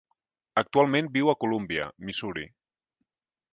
Actualment viu a Columbia, Missouri.